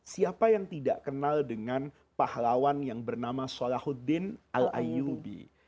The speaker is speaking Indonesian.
siapa yang tidak kenal dengan pahlawan yang bernama solahuddin al ayubi